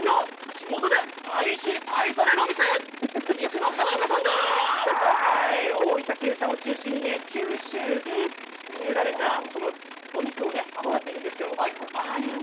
地元で愛し愛されるお店はい、大分県産を中心に九州で作られたお肉を使っているんですけれども。